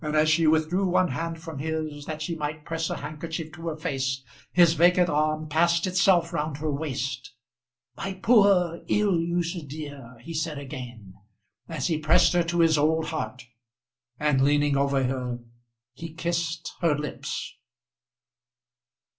and as she withdrew one hand from his, that she might press a handkerchief to her face, his vacant arm passed itself round her waist. "My poor, ill used dear!" he said again, as he pressed her to his old heart, and leaning over her he kissed her lips.